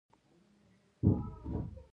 هغه یې په ډېرو ژبو ژباړل شوي دي.